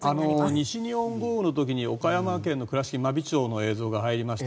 西日本豪雨の時に岡山県倉敷市の真備町の映像が入りました。